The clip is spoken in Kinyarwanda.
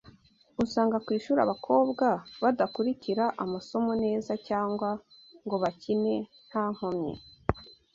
usanga ku ishuri abakobwa badakurikira amasomo neza cyangwa ngo bakine nta nkomyi